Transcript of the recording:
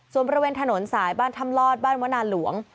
ส่วนบริเวณถนนสายบ้านถ้ำลอดบ้านวนาหลวง